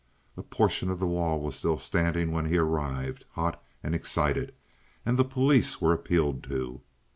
A portion of the wall was still standing when he arrived, hot and excited, and the police were appealed to.